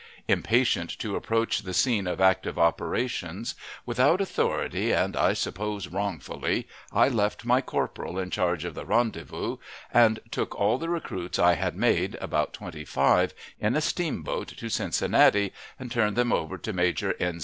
Impatient to approach the scene of active operations, without authority (and I suppose wrongfully), I left my corporal in charge of the rendezvous, and took all the recruits I had made, about twenty five, in a steamboat to Cincinnati, and turned them over to Major N.